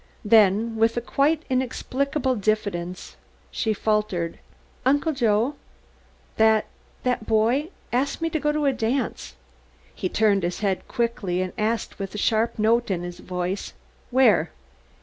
Then, with a quite inexplicable diffidence she faltered, "Uncle Joe, that that boy asked me to go to a dance." He turned his head quickly and asked with a sharp note in his voice: "Where?"